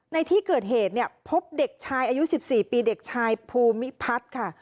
ในที่เกิดเหตุเนี่ยพบเด็กชายอายุ๑๔ปีเด็กชายภูมิพัฒน์ค่ะ